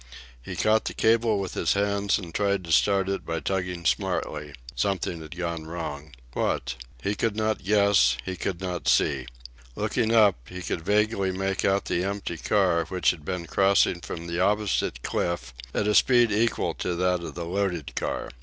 He caught the cable with his hands and tried to start it by tugging smartly. Something had gone wrong. What? He could not guess; he could not see. Looking up, he could vaguely make out the empty car, which had been crossing from the opposite cliff at a speed equal to that of the loaded car.